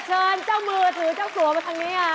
ชิ้นเจ้ามือถือเจ้าสัวมาทางนี้